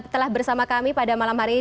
telah bersama kami pada malam hari ini